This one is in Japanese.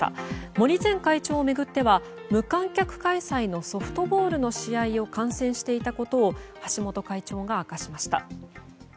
森前会長を巡っては無観客開催のソフトボールの試合を観戦していたことを橋本会長が明かしました。